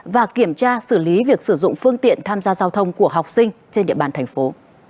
và kiểm tra xử lý việc sử dụng phương tiện tham gia giao thông của học sinh trên địa bàn thành phố